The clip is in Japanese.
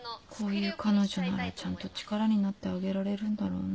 こういう彼女ならちゃんと力になってあげられるんだろうな。